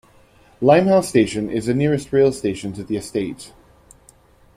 Limehouse station is the nearest National Rail station to the estate.